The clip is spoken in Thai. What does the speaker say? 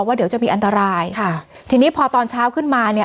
เดี๋ยวจะมีอันตรายค่ะทีนี้พอตอนเช้าขึ้นมาเนี่ย